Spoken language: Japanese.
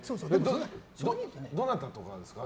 どなたとかですか？